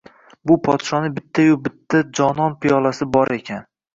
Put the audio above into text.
Bu podshoning bitta-yu bitta jonon piyolasi bor ekan